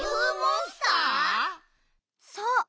そう！